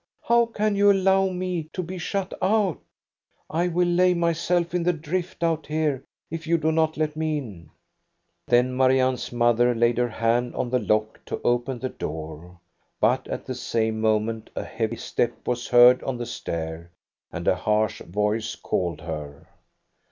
How can you allow me to be shut out? I will lay myself in the drift out here, if you do not let me in." Then Marianne's mother laid her hand on the lock to open the door, but at the same moment a heavy step was heard on the stair, and a harsh voice called her.